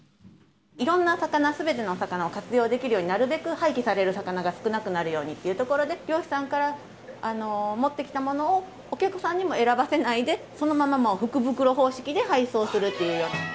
いろんな魚、すべてのお魚を活用できるように、なるべく廃棄される魚が少なくなるようにっていうところで、漁師さんから持ってきたものを、お客さんにも選ばせないで、そのままもう、福袋方式で配送するというような。